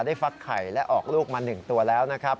ฟักไข่และออกลูกมา๑ตัวแล้วนะครับ